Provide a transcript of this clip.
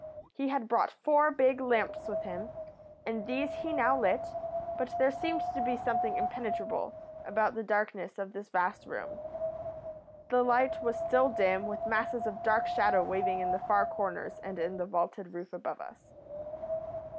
He had brought four big lamps with him, and these he now lit, but there seemed to be something impenetrable about the darkness of this vast room. The light was still dim, with masses of dark shadow waving in the far corners and in the vaulted roof above us.